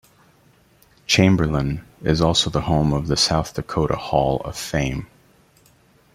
Chamberlain is also the home of the South Dakota Hall of Fame.